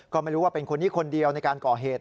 ก็ไม่รู้ว่าเป็นคนนี้คนเดียวในการก่อเหตุ